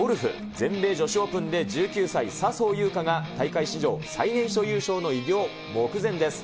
全米女子オープンで１９歳、笹生優花が大会史上最年少優勝の偉業目前です。